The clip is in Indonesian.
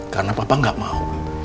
karena papa gak mau